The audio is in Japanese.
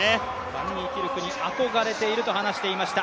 バンニーキルクに憧れていると話していました。